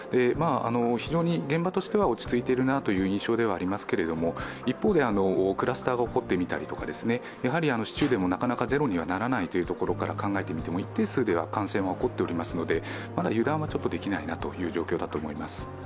非常に現場としては落ち着いているなという印象ではありますけれども、一方で、クラスターが起こってみたりとか、市中でもなかなかゼロにならないことを考えてみても一定数では感染は起こっておりますので、まだ油断はできないという状況だと思います。